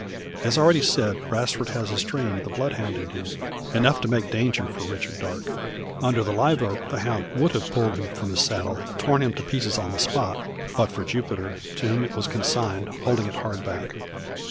As already said, Brasfort has a strain of the bloodhound in him; enough to make danger for Richard Darke. Under the live oak the hound would have pulled him from his saddle, torn him to pieces on the spot, but for Jupiter, to whom it was consigned, holding it hard back.